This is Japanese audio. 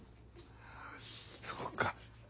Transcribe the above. そうか。